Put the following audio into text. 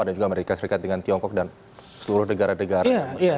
ada juga amerika serikat dengan tiongkok dan seluruh negara negara